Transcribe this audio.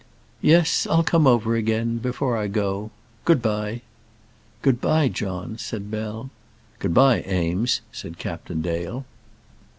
"Yes, I'll come over again before I go. Good by." "Good by, John," said Bell. "Good by, Eames," said Captain Dale.